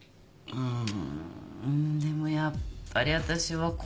うん？